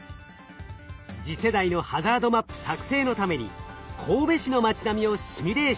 次世代のハザードマップ作製のために神戸市の町並みをシミュレーション。